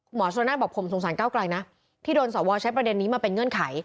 หมอชนนั่นบอกผมสงสารก้าวไกลนะที่โดนสวใช้ประเด็นนี้มาเป็นเงื่อนไข